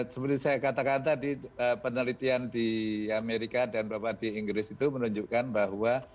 seperti saya kata kata di penelitian di amerika dan di inggris itu menunjukkan bahwa